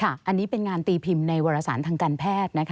อันนี้เป็นงานตีพิมพ์ในวรสารทางการแพทย์